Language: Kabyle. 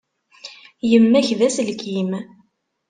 Yemma-k d aselkim.